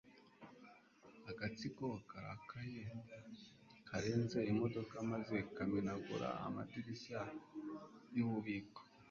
agatsiko karakaye karenze imodoka maze kamenagura amadirishya yububiko